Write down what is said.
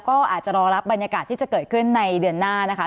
ก็อาจจะรอรับบรรยากาศที่จะเกิดขึ้นในเดือนหน้านะคะ